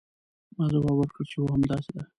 ما ځواب ورکړ چې هو همداسې ده.